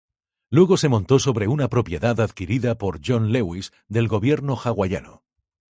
Luego se montó sobre una propiedad adquirida por John Lewis del gobierno hawaiano.